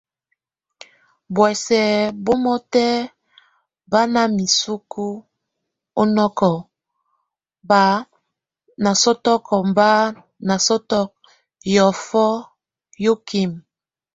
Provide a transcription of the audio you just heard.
Búɔsɛ bomɔtɛk bá na miseku ɔnɔkɔk, bá nasɔtɔk, bá nasɔtɔk, yɔfɔ yokime.